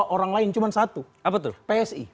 orang lain cuma satu psi